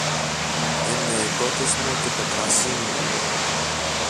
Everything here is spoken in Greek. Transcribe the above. Είναι οι κότες μου και το κρασί μου